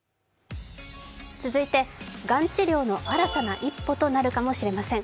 続いて、がん治療の新たな一歩となるかもしれません。